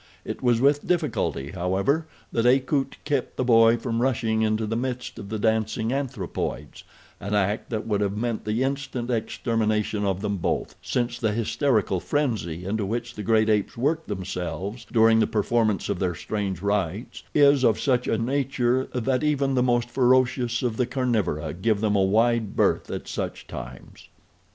It was with difficulty, however, that Akut kept the boy from rushing into the midst of the dancing anthropoids—an act that would have meant the instant extermination of them both, since the hysterical frenzy into which the great apes work themselves during the performance of their strange rites is of such a nature that even the most ferocious of the carnivora give them a wide berth at such times.